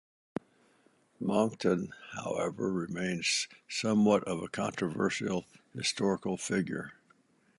Monckton, however, remains somewhat of a controversial historical figure.